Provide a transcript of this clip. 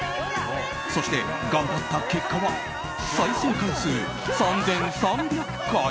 そして頑張った結果は再生回数３３００回。